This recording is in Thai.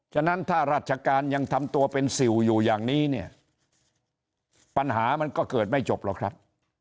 ฉะนั้นถ้าราชการยังทำตัวเป็นสิวอยู่อย่างนี้เนี่ยปัญหามันก็เกิดไม่จบหรอกครับ